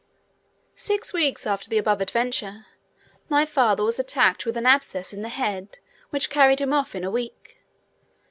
Six weeks after the above adventure my father was attacked with an abscess in the head which carried him off in a week.